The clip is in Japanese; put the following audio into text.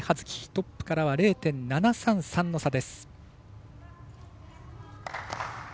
トップからは０．７３３の差。